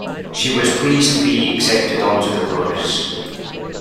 She was pleased to be accepted onto the course